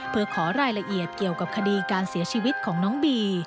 เพื่อขอรายละเอียดเกี่ยวกับคดีการเสียชีวิตของน้องบี